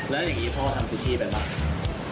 แล้วอย่างนี้พ่อทำทุกที่ไปหรือ